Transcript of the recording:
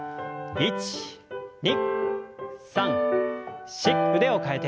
１２。